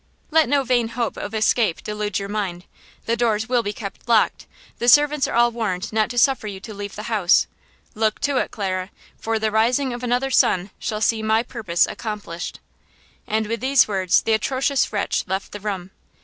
"Let no vain hope of escape delude your mind. The doors will be kept locked; the servants are all warned not to suffer you to leave the house. Look to it, Clara, for the rising of another sun shall see my purpose accomplished!" And with these words the atrocious wretch left the room.